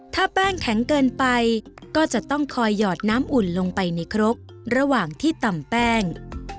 ถ้าแป้งแข็งเกินไปก็จะต้องคอยหยอดน้ำอุ่นลงไปในครกระหว่างที่ตำแป้ง